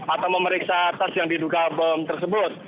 atau memeriksa tas yang diduga bom tersebut